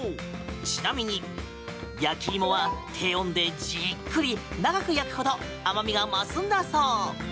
ちなみに焼き芋は低温でじっくり長く焼くほど甘味が増すんだそう。